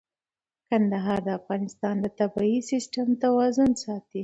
کندهار د افغانستان د طبعي سیسټم توازن ساتي.